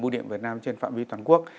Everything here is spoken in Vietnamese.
bùi điện việt nam trên phạm vi toàn quốc